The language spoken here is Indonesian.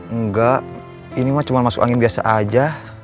enggak ini mah cuma masuk angin biasa aja